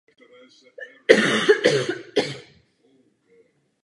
Několikrát se dostala do užší nominace na literární cenu Man Booker Prize.